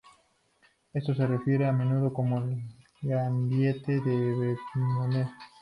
Esto se refiere a menudo como la gradiente de Bateman.